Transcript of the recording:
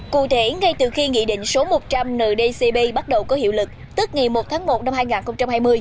cụ thể ngay từ khi nghị định số một trăm linh ndcp bắt đầu có hiệu lực tức ngày một tháng một năm hai nghìn hai mươi